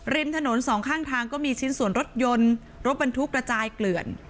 ริมถนนสองข้างทางก็มีชิ้นส่วนรถยนต์รถบรรทุกกระจายเกลื่อน